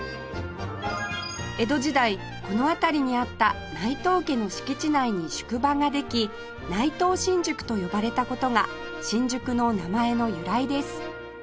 江戸時代この辺りにあった内藤家の敷地内に宿場ができ内藤新宿と呼ばれた事が新宿の名前の由来です